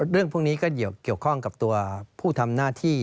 เรื่องพวกนี้ก็เกี่ยวข้องกับตัวผู้ทำหน้าที่